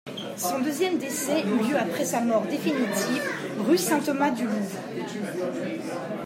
Son deuxième décès eut lieu après sa mort définitive, rue Saint-Thomas-du-Louvre.